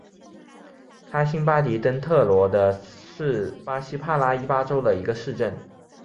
卡辛巴迪登特罗是巴西帕拉伊巴州的一个市镇。